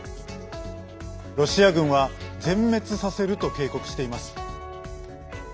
ロシア軍は全滅させると警告しています。